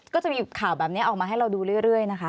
ก็จะมีข่าวแบบนี้ออกมาให้เราดูเรื่อยนะคะ